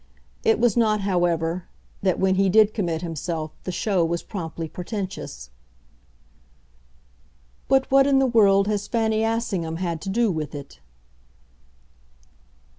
It was not, however, that when he did commit himself the show was promptly portentous. "But what in the world has Fanny Assingham had to do with it?"